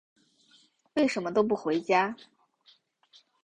为什么都不回家？